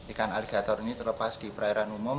ikan aligator ini terlepas di perairan umum